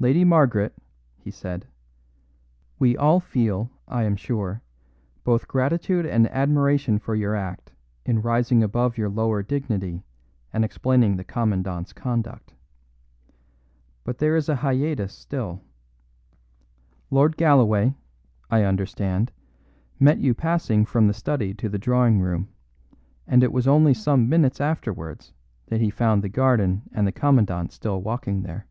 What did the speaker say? "Lady Margaret," he said, "we all feel, I am sure, both gratitude and admiration for your act in rising above your lower dignity and explaining the Commandant's conduct. But there is a hiatus still. Lord Galloway, I understand, met you passing from the study to the drawing room, and it was only some minutes afterwards that he found the garden and the Commandant still walking there."